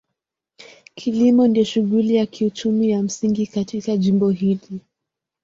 Kilimo ndio shughuli ya kiuchumi ya msingi katika jimbo hili.